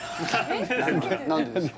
何でですか？